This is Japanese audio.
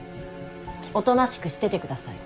おとなしくしててください。